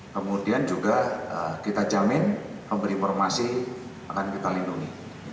kemudian juga kita jamin memberi informasi akan kita lindungi